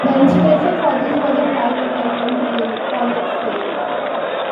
"The inspiration for this was a flight attendant, really," Connick says.